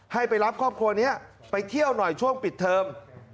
ให้ไปรับครอบครัวนี้ไปเที่ยวหน่อยช่วงปิดเทอม